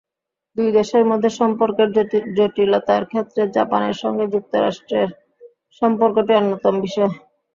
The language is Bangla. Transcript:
দুই দেশের মধ্যে সম্পর্কের জটিলতার ক্ষেত্রে জাপানের সঙ্গে যুক্তরাষ্ট্রের সম্পর্কটি অন্যতম বিষয়।